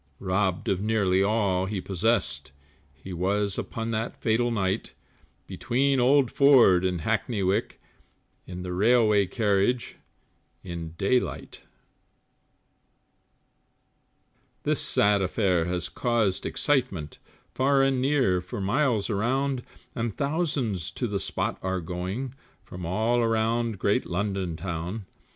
Robbed of nearly all that he possessed, He was, upon that fatal night, Between Old Ford and Hackney Wick, In the Railway Carriage in daylight. This sad affair has caused excitement, Far and near, for miles around, And thousands to the spot are going From all around great London town.